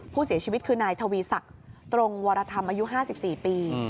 ผู้เสียชีวิตคือนายทวีศักดิ์ตรงวรธรรมอายุ๕๔ปี